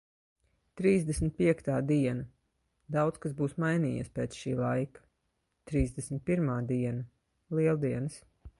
Trīsdesmit piektā diena. Daudz kas būs mainījies pēc šī laika. Trīsdesmit pirmā diena. Lieldienas.